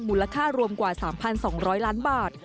มูลค่ารวมกว่า๓๒๐๐ล้านบาท